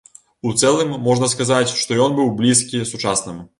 У цэлым можна сказаць, што ён быў блізкі сучаснаму.